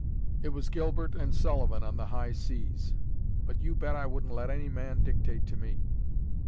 It was Gilbert and Sullivan on the high seas; but you bet I wouldn't let any man dictate to me.